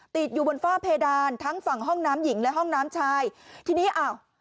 ติดอยู่บนฝ้าเพดานทั้งฝั่งห้องน้ำหญิงและห้องน้ำชายทีนี้อ้าว